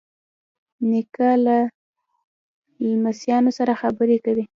نیکه له لمسیانو سره خبرې کوي.